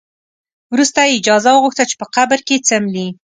وروسته یې اجازه وغوښته چې په قبر کې څملي.